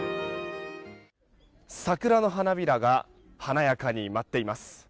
桜の花びらが華やかに舞っています。